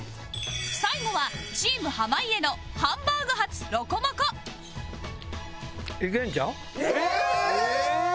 最後はチーム濱家のハンバーグ発ロコモコよーし！